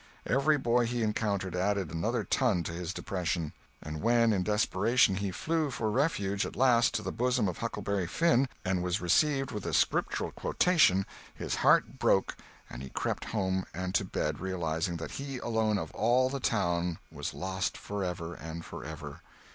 Every boy he encountered added another ton to his depression; and when, in desperation, he flew for refuge at last to the bosom of Huckleberry Finn and was received with a Scriptural quotation, his heart broke and he crept home and to bed realizing that he alone of all the town was lost, forever and forever.